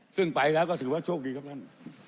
ซึ่งไปแล้วก็ถือว่าโชคดีครับท่าน